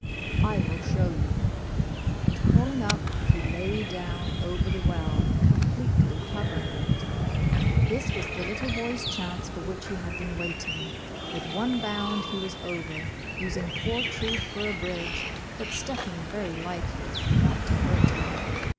'* I will show you," and crawling up, he lay down over the well, completely covering it. This was the little boy's chance, for which he had been waiting. With one bound he was over, using poor Truth for a bridge, but stepping very lightly, not to hurt him.